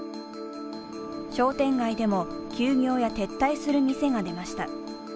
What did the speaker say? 商店街でも休業や撤退する店が出ました。